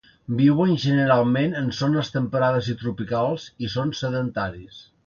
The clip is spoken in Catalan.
Viuen generalment en zones temperades i tropicals i són sedentaris.